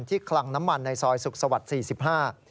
ที่คลังน้ำมันในซอยสุขสวรรค๔๕